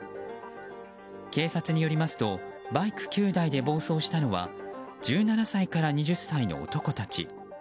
警察によりますとバイク９台で暴走したのは１７歳から２０歳の男たち。